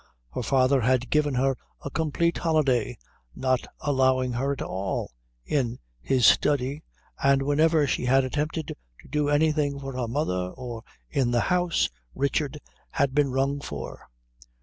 Her father had given her a complete holiday, not allowing her at all in his study, and whenever she had attempted to do anything for her mother or in the house Richards had been rung for.